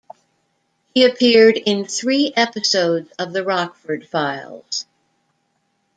He appeared in three episodes of "The Rockford Files".